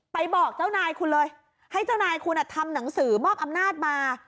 บอกเจ้านายคุณเลยให้เจ้านายคุณทำหนังสือมอบอำนาจมา